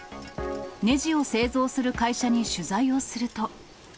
ねじを製造する会社に取材をすると。